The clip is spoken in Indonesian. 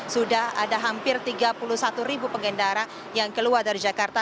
sudah ada hampir tiga puluh satu ribu pengendara yang keluar dari jakarta